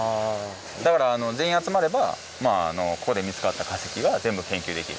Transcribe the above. だから全員集まればここで見つかった化石は全部研究できる。